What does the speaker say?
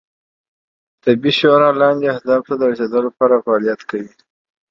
طبي شورا لاندې اهدافو ته رسیدو لپاره فعالیت کوي